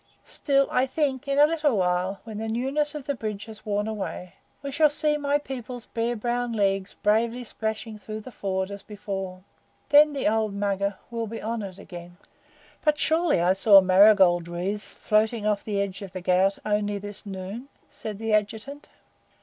Still, I think, in a little while, when the newness of the bridge has worn away, we shall see my people's bare brown legs bravely splashing through the ford as before. Then the old Mugger will be honoured again." "But surely I saw Marigold wreaths floating off the edge of the Ghaut only this noon," said the Adjutant.